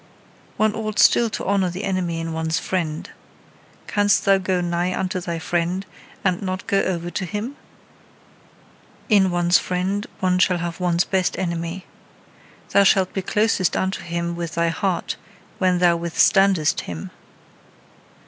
One ought still to honour the enemy in one's friend. Canst thou go nigh unto thy friend, and not go over to him? In one's friend one shall have one's best enemy. Thou shalt be closest unto him with thy heart when thou withstandest him.